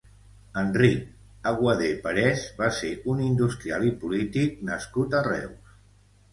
Enric Aguadé Parés va ser un industrial i polític nascut a Reus.